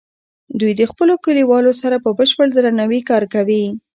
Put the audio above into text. دوی د خپلو کلیوالو سره په بشپړ درناوي کار کوي.